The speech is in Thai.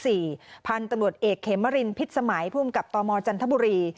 สอบสวนภูทรภาค๔พันธุ์ตำรวจเอกเขมรินพิษมัยภูมิกับตมจันทบุรี